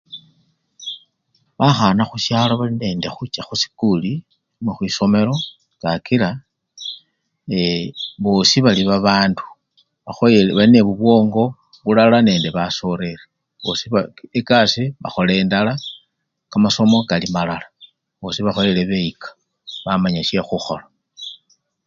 bahana hushalo bali nende hucha husikuli namwe hwisomelo kakila eee bosi bali babandu bahoyele--bali nebubwongo bulala ne basoreri, bosi-ba ikasi bahola endala, kamasomo kalimalala bosi bali nehuhwiyika bamanya shehuhola